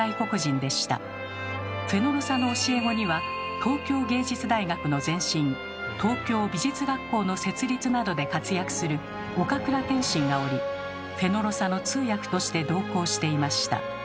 フェノロサの教え子には東京藝術大学の前身東京美術学校の設立などで活躍する岡倉天心がおりフェノロサの通訳として同行していました。